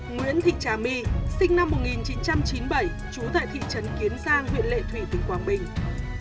nguyễn thị trà my sinh năm một nghìn chín trăm chín mươi bảy trú tại thị trấn kiến giang huyện lệ thủy tỉnh quảng bình